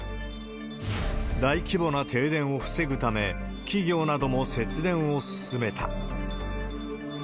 大規模な停電を防ぐため、企業なども節電を進めた。